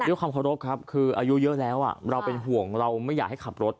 ด้วยความเคารพครับคืออายุเยอะแล้วเราเป็นห่วงเราไม่อยากให้ขับรถ